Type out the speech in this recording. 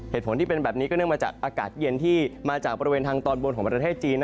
เหตุผลที่เป็นแบบนี้ก็เนื่องมาจากอากาศเย็นที่มาจากบริเวณทางตอนบนของประเทศจีน